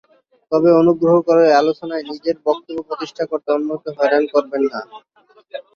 তবে অনুগ্রহ করে আলোচনায় নিজের বক্তব্য প্রতিষ্ঠা করতে অন্যকে হয়রান করবেন না।